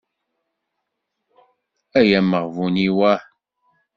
Ay amaɣbun-iw ah.